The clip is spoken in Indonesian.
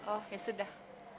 oh ya sudah